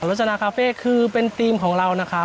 รสนาคาเฟ่คือเป็นธีมของเรานะครับ